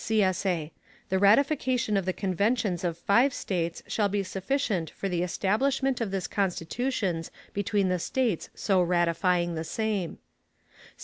[CSA] The ratification of the Conventions of five States shall be sufficient for the establishment of this Constitution between the States so ratifying the same.